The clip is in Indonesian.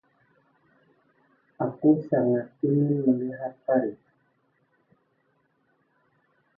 Aku sangat ingin melihat Paris.